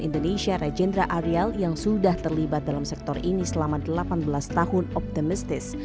indonesia regendra ariel yang sudah terlibat dalam sektor ini selama delapan belas tahun optimistis